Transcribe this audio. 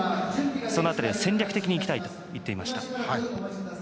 その辺りは戦略的に行きたいと言っていました。